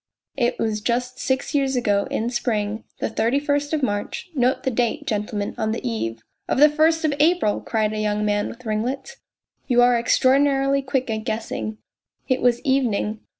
It was just six years ago, in spring, the thirty first of March note the date, gentlemen on the eve ..."" Of the first of April !" cried a young man with ringlets. " You are extraordinarily quick at guessing. It was evening.